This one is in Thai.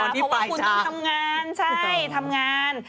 เพราะว่าคุณต้องทำงานใช่ทำงาน